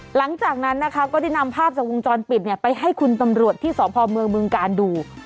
หลังจากนั้นนะคะก็ได้นำภาพจากวงจรปิดไปให้คุณตำรวจที่สพเมืองบึงกาลดู